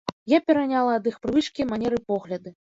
Я пераняла ад іх прывычкі, манеры, погляды.